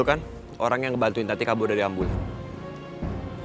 lo kan orang yang ngebantuin tati kabur dari ambulans